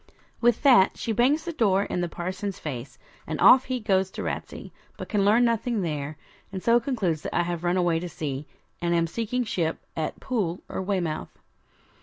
With that she bangs the door in the parson's face and off he goes to Ratsey, but can learn nothing there, and so concludes that I have run away to sea, and am seeking ship at Poole or Weymouth.